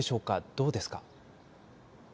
どうですか。